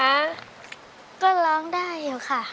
วันนี้เป็นไงคะ